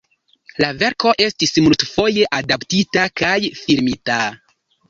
La verko estis multfoje adaptita kaj filmita.